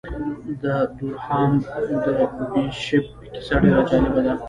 د دورهام د بیشپ کیسه ډېره جالبه ده.